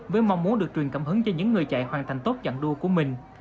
với mong muốn được truyền cảm hứng cho những người chạy hoàn thành tốt chặng đua của mình